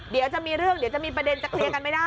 เดี๋ยวจะมีเรื่องเดี๋ยวจะมีประเด็นจะเคลียร์กันไม่ได้